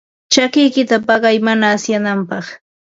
Chakikiyta paqay mana asyananpaq.